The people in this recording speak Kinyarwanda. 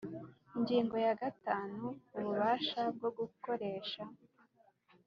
Ingingo ya gatanu Ububasha bwo gutoresha